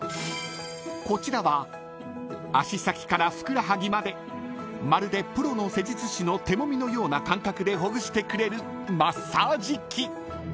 ［こちらは足先からふくらはぎまでまるでプロの施術師の手もみのような感覚でほぐしてくれるマッサージ器］